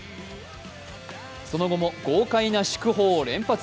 その後も豪快な祝砲を連発。